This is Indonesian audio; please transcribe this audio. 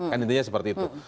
kan intinya seperti itu